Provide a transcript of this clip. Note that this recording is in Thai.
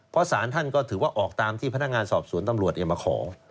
เพราะสารท่านก็ถือว่าออกตามที่พนักงานสอบสวนตำรวจมาขอ